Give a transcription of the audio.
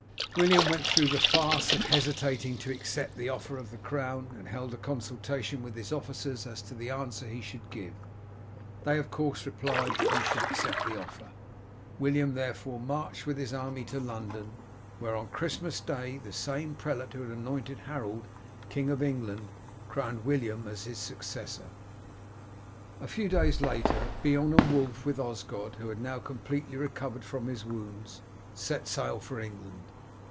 William went through the farce of hesitating to accept the offer of the crown, and held a consultation with his officers as to the answer he should give. They of course replied that he should accept the offer. William, therefore, marched with his army to London, where on Christmas day the same prelate who had anointed Harold King of England crowned William as his successor. A few days later Beorn and Wulf with Osgod, who had now completely recovered from his wounds, set sail for England.